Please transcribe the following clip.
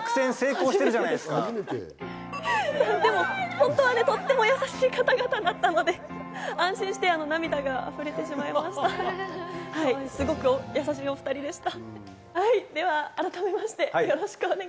本当はとっても優しい方々だったので安心して涙が溢れてしまいました。